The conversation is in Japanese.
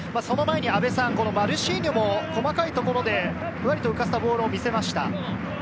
その前にマルシーニョも細かいところでふわりと浮かせたボールを見せました。